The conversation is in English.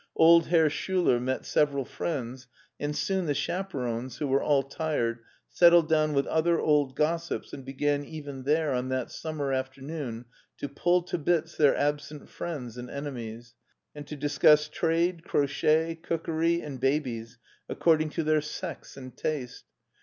Old Herr Schuler met several friends, and soon the chaperons, who were all tired, settled down with other old gossips and began even there on that summer afternoon to pull to bits their absent friends and enemies, and to discuss trade, crochet, cookery, and babies, according to their sex and HEIDELBERG 51 taste.